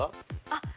◆あっ、